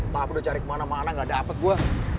tapi udah cari kemana mana gak dapet gue